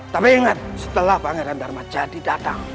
tapi ingat setelah pangeran dharmajati datang